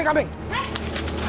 aku akan menyesal